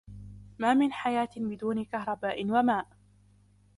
ما من حياة بدون كهرباء و ماء.